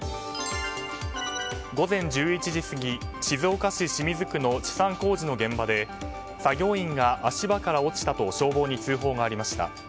午前１１時過ぎ、静岡市清水区の治山工事の現場で作業員が足場から落ちたと消防に通報がありました。